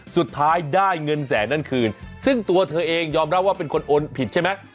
สุดท้ายได้เงินแสนนั้นคืนซึ่งตัวเธอเองยอมรับว่าเป็นคนโอนผิดใช่ไหม